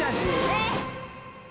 えっ？